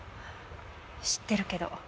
知ってるけど。